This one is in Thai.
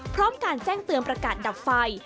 พร้อมการแจ้งเตือนประกาศดับไฟ